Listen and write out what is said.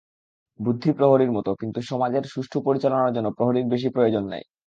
বুদ্ধি প্রহরীর মত, কিন্তু সমাজের সুষ্ঠু পরিচালনার জন্য প্রহরীর বেশী প্রয়োজন নাই।